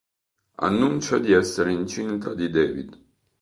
Annuncia di essere incinta di David.